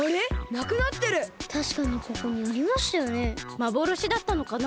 まぼろしだったのかな？